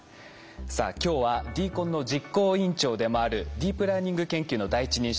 さあ今日はＤＣＯＮの実行委員長でもあるディープラーニング研究の第一人者